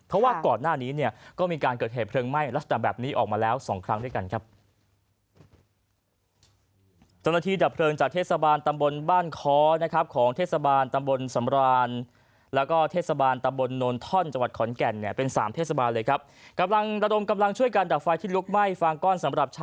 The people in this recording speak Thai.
เพราะว่าก่อนหน้านี้เนี่ยก็มีการเกิดเหตุเพลิงไหม้ลักษณะแบบนี้ออกมาแล้ว๒ครั้งด้วยกันครับ